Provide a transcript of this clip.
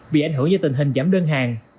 bị ảnh hưởng do tình hình giảm đơn hàng